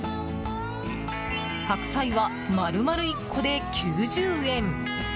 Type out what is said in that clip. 白菜は丸々１個で、９０円！